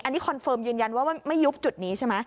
อันนี้คอนเฟิร์มยืนยันว่าไม่ยุบจุดนี้ใช่ไหม